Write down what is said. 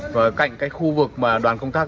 và cạnh khu vực mà đoàn công tác